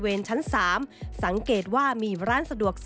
เป็นอย่างไรนั้นติดตามจากรายงานของคุณอัญชาฬีฟรีมั่วครับ